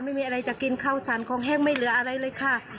ไม่มีอะไรจะกินข้าวสารของแห้งไม่เหลืออะไรเลยค่ะ